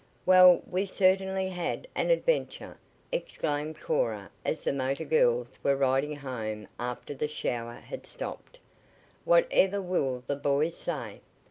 "Well, we certainly had an adventure!" exclaimed Cora as the motor girls were riding home after the shower had stopped. "Whatever will the boys say?"